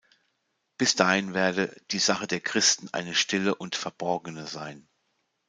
Bis dahin werde „die Sache der Christen eine stille und verborgene sein“.